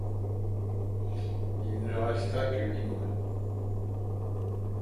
Elle n'y resta que huit mois.